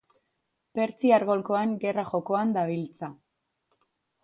Pertsiar golkoan gerra jokoan dabiltza.